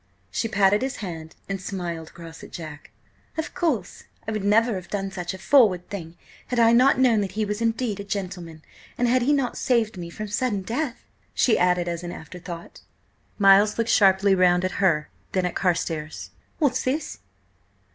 She patted his hand and smiled across at Jack. "Of course, I would never have done such a forward thing had I not known that he was indeed a gentleman–and had he not saved me from sudden death!" she added as an afterthought. Miles looked sharply round at her and then at Carstares. "What's this?"